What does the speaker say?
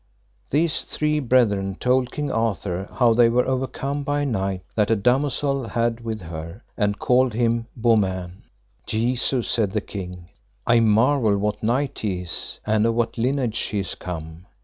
These three brethren told King Arthur how they were overcome by a knight that a damosel had with her, and called him Beaumains. Jesu, said the king, I marvel what knight he is, and of what lineage he is come.